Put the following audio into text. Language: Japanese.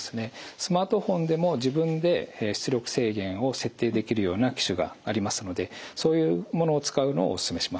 スマートフォンでも自分で出力制限を設定できるような機種がありますのでそういうものを使うのをお勧めします。